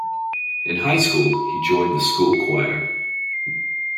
In high school, he joined the school choir.